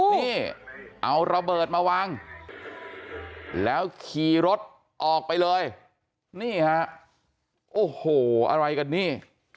นี่เอาระเบิดมาวางแล้วขี่รถออกไปเลยนี่ฮะโอ้โหอะไรกันนี่